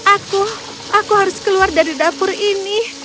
aku aku harus keluar dari dapur ini